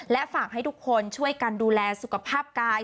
และฝากให้ทุกคนช่วยกันดูแลสุขภาพกาย